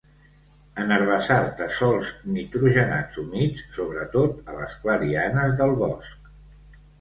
En herbassars de sòls nitrogenats humits, sobretot a les clarianes del bosc.